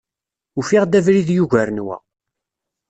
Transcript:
Ufiɣ-d abrid yugaren wa.